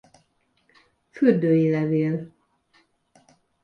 Fürdői levél.